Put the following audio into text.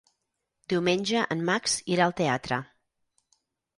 Diumenge en Max irà al teatre.